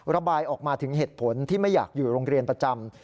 ระบายออกมาถึงเหตุผลที่ไม่อยากอยู่โรงเรียนประจำ